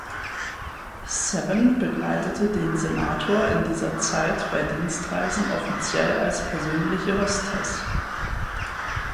Seven begleitete den Senator in dieser Zeit bei Dienstreisen offiziell als persönliche Hostess.